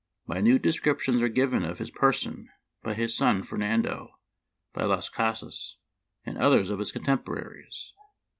Minute descriptions are given of his person by his son Fernando, by Las Casas, and others of his contemporaries.